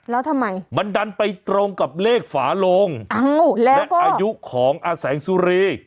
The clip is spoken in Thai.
แล้วทำไมมันดันไปตรงกับเลขฝาลงอ้าว้แล้วก็และเอายุของอะแสงสุรี